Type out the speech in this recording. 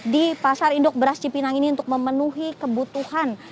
di pasar induk beras cipinang ini untuk memenuhi kebutuhan